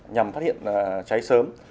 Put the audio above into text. nhằm phát hiện cháy sớm